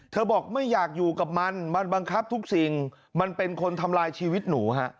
บอกไม่อยากอยู่กับมันมันบังคับทุกสิ่งมันเป็นคนทำลายชีวิตหนูฮะ